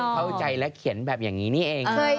เข้าใจและเขียนแบบอย่างนี้นี่เอง